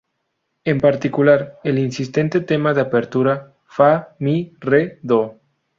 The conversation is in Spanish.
En particular, el insistente tema de apertura: fa mi re do.